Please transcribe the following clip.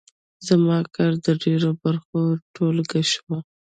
زما کار د ډېرو برخو ټولګه شوه.